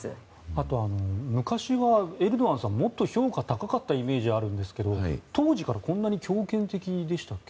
あと昔はエルドアンさんもっと評価が高かったイメージがあるんですけど当時からこんなに強権的でしたっけ？